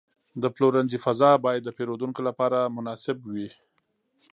د پلورنځي فضا باید د پیرودونکو لپاره مناسب وي.